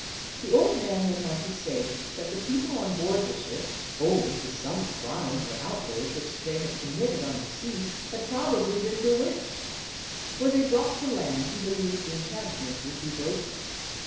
The old man went on to say that the people on board the ship, owing to some crime or out rage which they had committed on the sea, had probably been bewitched. Were they brought to land he believed the enchantment would be broken.